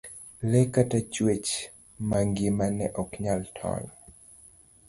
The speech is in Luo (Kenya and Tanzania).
lee kata chuech mangima ne ok nyal tony.